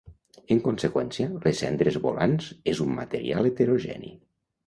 En conseqüència, les cendres volants és un material heterogeni.